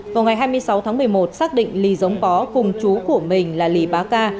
vào ngày hai mươi sáu tháng một mươi một xác định lì giống pó cùng chú của mình là lì bá ca